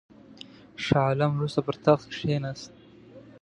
شاه عالم وروسته پر تخت کښېنست.